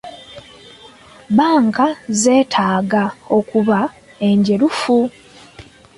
Bbanka zetaaga okuba enjerufu.